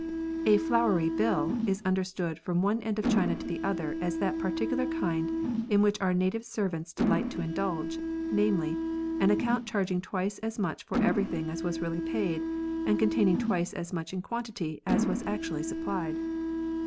A jiowery hill is understood from one end of China to the other as that particular kind in which our native servants delight to indulge, namely, an account charging twice as much for every thing as was really paid, and containing twice as much in quantity as was actually supplied.